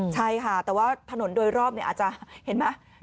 ใช่ค่ะแต่ว่าถนนโดยรอบอาจจะเห็นไหม